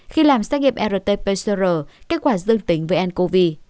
khi làm xét nghiệm rt pcr kết quả dương tính với ncov